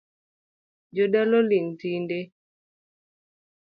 Jodala oling’ tinde